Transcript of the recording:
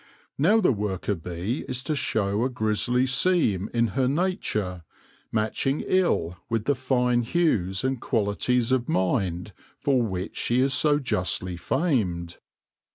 Now the worker bee is to show a grizzly seam in her nature, matching ill with the fine hues and quali ties of mind for which she is so justly famed.